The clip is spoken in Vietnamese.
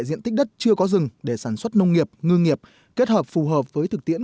diện tích đất chưa có rừng để sản xuất nông nghiệp ngư nghiệp kết hợp phù hợp với thực tiễn